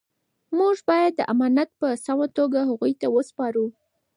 موږ باید دا امانت په سمه توګه هغوی ته وسپارو.